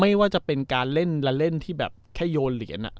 ไม่ว่าจะเป็นการเล่นและเล่นที่แบบแค่โยนเหรียญ